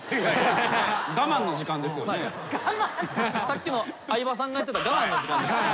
さっきの相葉さんがやってた我慢の時間です。